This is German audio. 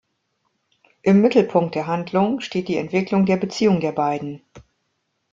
Im Mittelpunkt der Handlung steht die Entwicklung der Beziehung der beiden.